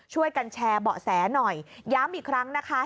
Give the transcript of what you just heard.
ช่วยกันแชร์เบาะแสหน่อยย้ำอีกครั้งนะคะ